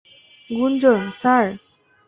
Gunjan - sir!